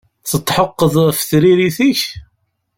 Tetḥeqqeḍ ɣef tririt-ik?